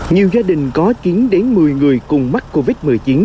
nhiều gia đình có chín đến một mươi người cùng mắc covid một mươi chín